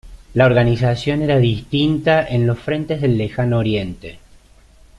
La organización era distinta en los frentes del Lejano Oriente.